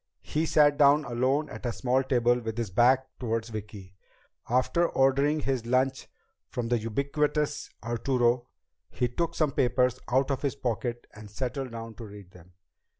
He sat down alone at a small table with his back toward Vicki. After ordering his lunch from the ubiquitous Arturo, he took some papers out of his pocket and settled down to read them.